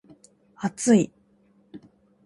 厚い